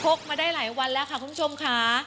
กมาได้หลายวันแล้วค่ะคุณผู้ชมค่ะ